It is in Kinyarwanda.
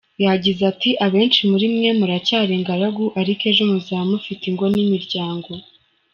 Yagize ati "Abenshi muri mwe muracyari ingaragu, ariko ejo muzaba mufite ingo n’imiryango.